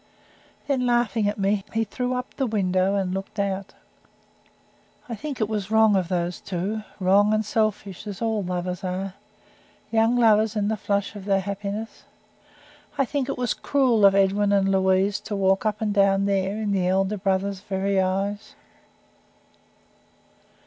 Then, laughing at me, he threw up the window and looked out. I think it was wrong of those two, wrong and selfish, as all lovers are young lovers in the flush of their happiness; I think it was cruel of Edwin and Louise to walk up and down there in the elder brother's very eyes.